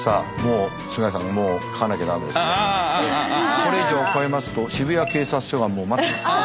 これ以上超えますと渋谷警察署が待ってます。